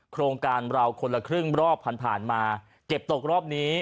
โครงการเราคนละครึ่งรอบผ่านผ่านมาเก็บตกรอบนี้